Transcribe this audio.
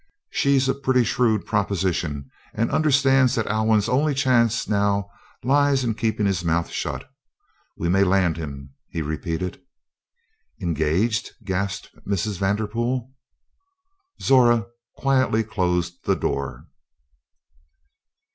She's a pretty shrewd proposition, and understands that Alwyn's only chance now lies in keeping his mouth shut. We may land him," he repeated. "Engaged!" gasped Mrs. Vanderpool. Zora quietly closed the door.